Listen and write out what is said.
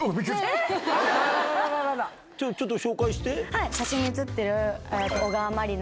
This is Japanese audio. ちょっと紹介して。